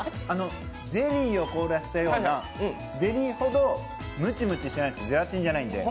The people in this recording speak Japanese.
ゼリーを凍らしたようなゼリーほどむちむちしてない、ゼラチンじゃないんで。